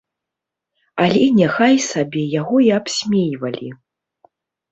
Але няхай сабе яго і абсмейвалі.